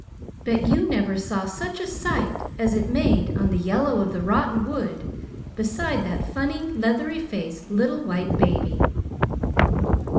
Bet you never saw such a sight as it made on the yellow of the rotten wood beside that funny leathery faced little white baby."